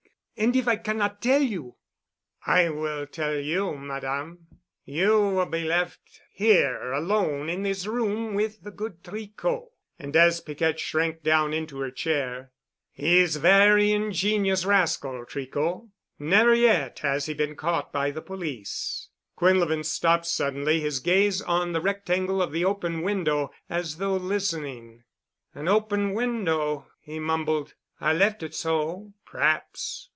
"And if I cannot tell you——" "I will tell you, Madame. You will be left here alone in this room with the good Tricot." And as Piquette shrank down into her chair, "He is a very ingenious rascal, Tricot. Never yet has he been caught by the police." Quinlevin stopped suddenly, his gaze on the rectangle of the open window, as though listening. "An open window," he mumbled. "I left it so—perhaps.